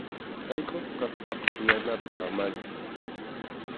Sayk’usqa kaspaqa tiyanapi samanchik.